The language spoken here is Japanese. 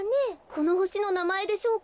このほしのなまえでしょうか？